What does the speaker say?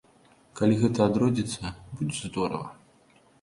Калі гэта адродзіцца, будзе здорава.